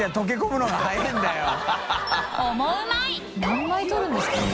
何枚撮るんですかね？